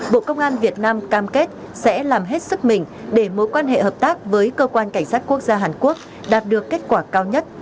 bộ công an việt nam cam kết sẽ làm hết sức mình để mối quan hệ hợp tác với cơ quan cảnh sát quốc gia hàn quốc đạt được kết quả cao nhất